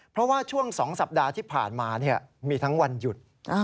เพราะว่าช่วง๒สัปดาห์ที่ผ่านมามีทั้งวันหยุด